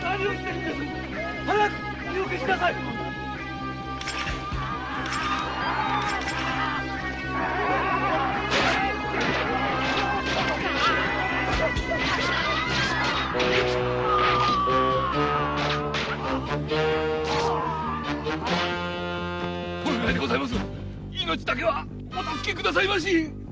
命だけはお助けくださいまし！